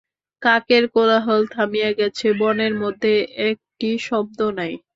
কাকের কোলাহল থামিয়া গেছে, বনের মধ্যে একটি শব্দ নাই।